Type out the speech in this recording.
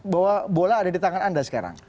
bahwa bola ada di tangan anda sekarang